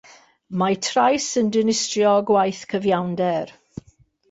Mae trais yn dinistrio gwaith cyfiawnder.